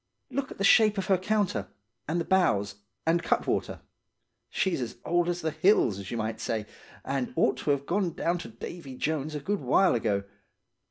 Look at the shape of her counter, and the bows and cutwater. She's as old as the hills, as you might say, and ought to have gone down to Davy Jones a good while ago.